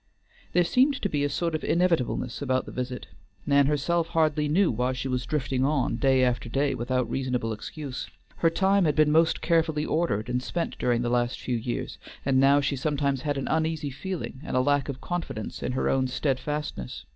There seemed to be a sort of inevitableness about the visit; Nan herself hardly knew why she was drifting on day after day without reasonable excuse. Her time had been most carefully ordered and spent during the last few years, and now she sometimes had an uneasy feeling and a lack of confidence in her own steadfastness.